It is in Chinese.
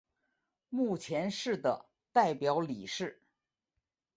目前是的代表理事。